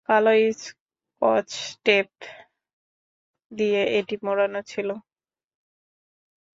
কালো স্কচটেপ দিয়ে এটি মোড়ানো ছিল।